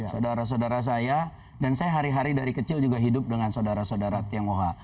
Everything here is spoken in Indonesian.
saudara saudara saya dan saya hari hari dari kecil juga hidup dengan saudara saudara tionghoa